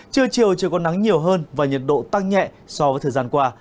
trưa chiều trời có nắng nhiều hơn và nhiệt độ tăng nhẹ so với thời gian qua